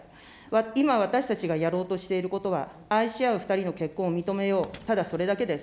今、私たちがやろうとしていることは、愛し合う２人の結婚を認めよう、ただそれだけです。